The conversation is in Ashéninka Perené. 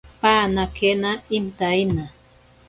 Panakena intaina.